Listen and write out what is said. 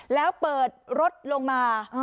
แล้วเปิดรถลงมา